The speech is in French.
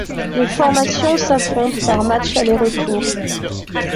Les formations s'affrontent par matchs aller-retour.